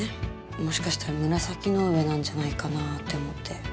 もしかしたら紫の上なんじゃないかなって思って。